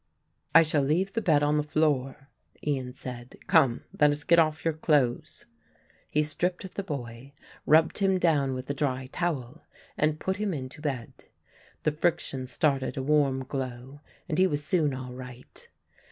"I shall leave the bed on the floor," Ian said. "Come, let us get off your clothes." He stripped the boy, rubbed him down with a dry towel and put him into bed. The friction started a warm glow and he was soon all right.